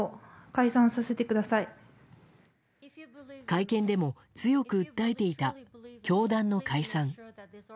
会見でも強く訴えていた教団の解散。